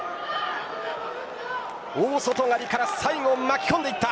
大外刈から最後巻き込んでいった。